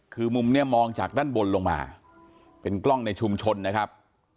คือมุมนี้มองจากด้านบนลงมาเป็นกล้องในชุมชนนะครับ